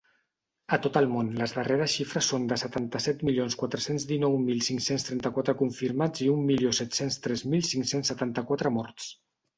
A tot el món, les darreres xifres són de setanta-set milions quatre-cents dinou mil cinc-cents trenta-quatre confirmats i un milió set-cents tres mil cinc-cents setanta-quatre morts.